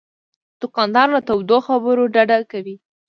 دوکاندار له تودو خبرو ډډه کوي.